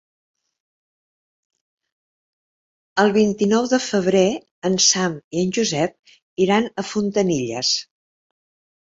El vint-i-nou de febrer en Sam i en Josep iran a Fontanilles.